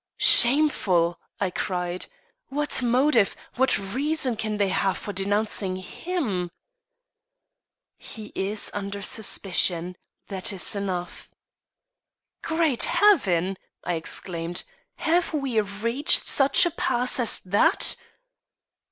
"Shameful!" I cried. "What motive, what reason can they have for denouncing him?" "He is under suspicion that is enough." "Great heaven!" I exclaimed. "Have we reached such a pass as that?"